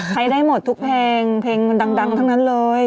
ใช้ได้หมดทุกเพลงเพลงมันดังทั้งนั้นเลย